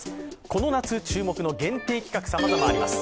この夏注目の限定企画、さまざまあります。